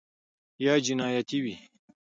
یا جنیاتي وي